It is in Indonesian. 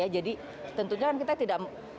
jadi tentunya kita tidak